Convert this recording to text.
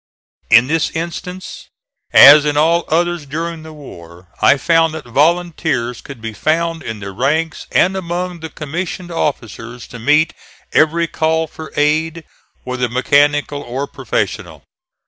In this instance, as in all others during the war, I found that volunteers could be found in the ranks and among the commissioned officers to meet every call for aid whether mechanical or professional.